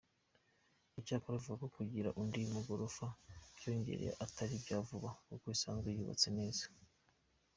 Icyakora avuga ko kugira andi magorofa bongeraho atari ibya vuba, kuko isanzwe yubatse neza.